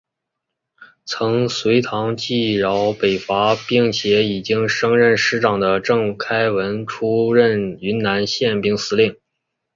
曾随唐继尧北伐并且已经升任师长的郑开文出任云南宪兵司令。